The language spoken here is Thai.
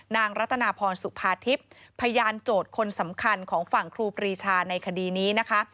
รัตนาพรสุภาทิพย์พยานโจทย์คนสำคัญของฝั่งครูปรีชาในคดีนี้นะคะ